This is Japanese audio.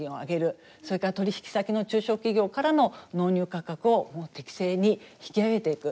それから取り引き先の中小企業からの納入価格を適正に引き上げていく。